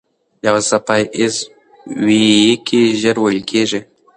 یو څپه ایز ويیکی ژر وېل کېږي.